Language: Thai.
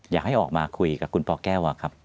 อยากให้ออกมาคุยกับคุณปแก้วครับ